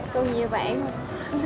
còn nhiều bạn mà